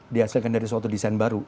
dihasilkan dari suatu desain baru